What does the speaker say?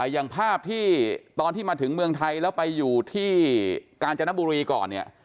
อย่างภาพที่ตอนที่มาถึงเมืองไทยแล้วไปอยู่ที่กาญจนบุรีก่อนเนี่ย